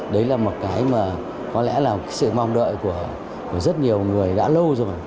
đấy là một cái mà có lẽ là sự mong đợi của rất nhiều người đã lâu rồi